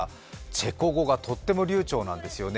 チェコ語がとっても流ちょうなんですよね。